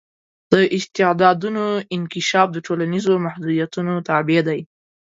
د استعدادونو انکشاف د ټولنیزو محدودیتونو تابع دی.